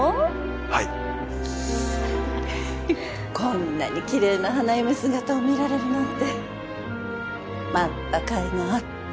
はいこんなにキレイな花嫁姿を見られるなんて待った甲斐があった